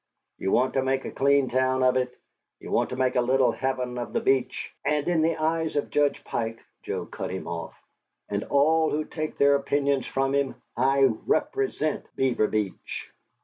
Ye want to make a clean town of it, ye want to make a little heaven of the Beach " "And in the eyes of Judge Pike," Joe cut him off, "and of all who take their opinions from him, I REPRESENT Beaver Beach!"